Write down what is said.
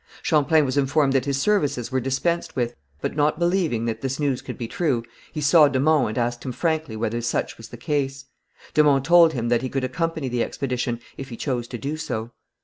Champlain was informed that his services were dispensed with, but not believing that this news could be true, he saw de Monts and asked him frankly whether such was the case. De Monts told him that he could accompany the expedition, if he chose to do so.